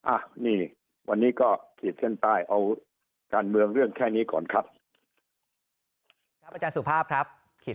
อ่ะนี่วันนี้ก็ขีดเส้นใต้เอาการเมืองเรื่องแค่นี้ก่อนครับ